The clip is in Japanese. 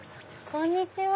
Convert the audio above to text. こんにちは。